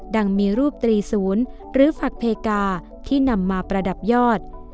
ยังมีรูปตรีศูนย์หรือฝักเพกาที่นำมาประดับยอด